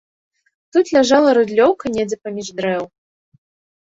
Тут ляжала рыдлёўка недзе паміж дрэў.